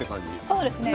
そうですね。